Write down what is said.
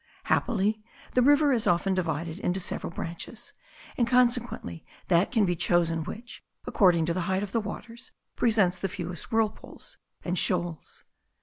Happily the river is often divided into several branches; and consequently that can be chosen which, according to the height of the waters, presents the fewest whirlpools and shoals.